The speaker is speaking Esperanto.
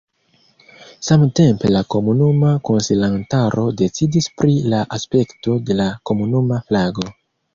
Samtempe la komunuma konsilantaro decidis pri la aspekto de la komunuma flago.